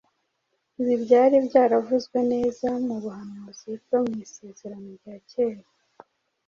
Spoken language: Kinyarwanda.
Ibi byari byaravuzwe neza mu buhanuzi bwo mu Isezerano rya Kera.